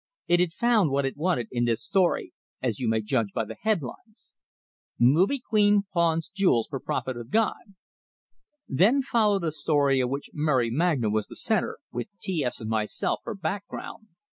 It had found what it wanted in this story, as you may judge by the headlines: MOVIE QUEEN PAWNS JEWELS FOR PROPHET OF GOD Then followed a story of which Mary Magna was the centre, with T S and myself for background.